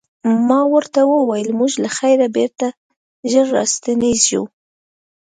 ما ورته وویل موږ له خیره بېرته ژر راستنیږو.